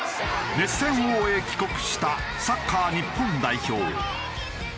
熱戦を終え帰国したサッカー日本代表。